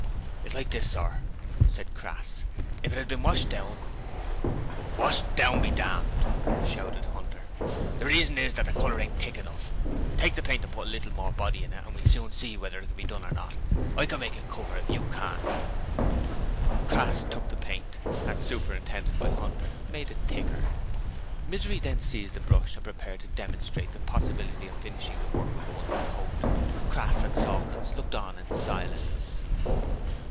'It's like this, sir,' said Crass. 'If it had been washed down ' 'Washed down be damned,' shouted Hunter. 'The reason is that the colour ain't thick enough. Take the paint and put a little more body in it and we'll soon see whether it can be done or not. I can make it cover if you can't.' Crass took the paint, and, superintended by Hunter, made it thicker. Misery then seized the brush and prepared to demonstrate the possibility of finishing the work with one coat. Crass and Sawkins looked on in silence.